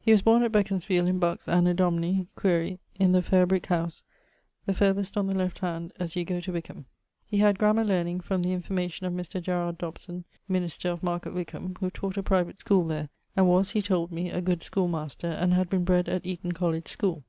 He was borne at Beconsfield, in Bucks, Anno Domini ... (quaere) in the fair brick house, the farthest on the left hand, as you goe to Wickham. He had grammer learning from the information of Mr. Dobson[CI], minister of Market Wickham, who taught a private schoole there, and was (he told me) a good schoolmaster, and had been bred at Eaton College schoole.